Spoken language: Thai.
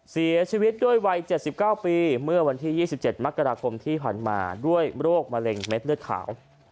เสียชีวิตด้วยวัย๗๙ปีเมื่อวันที่๒๗มกราคมที่ผ่านมาด้วยโรคมะเร็งเม็ดเลือดขาว